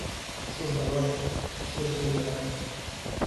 Sus valores, sus ciudadanos’".